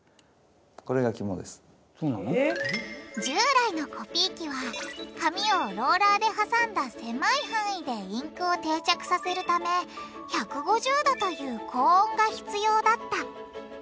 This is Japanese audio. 従来のコピー機は紙をローラーではさんだ狭い範囲でインクを定着させるため１５０℃という高温が必要だった。